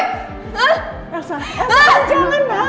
elsa elsa jangan lah